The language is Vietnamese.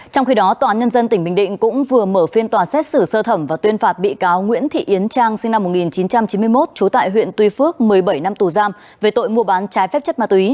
trong khi đó tòa án nhân dân tỉnh bình định cũng vừa mở phiên tòa xét xử sơ thẩm và tuyên phạt bị cáo nguyễn thị yến trang sinh năm một nghìn chín trăm chín mươi một trú tại huyện tuy phước một mươi bảy năm tù giam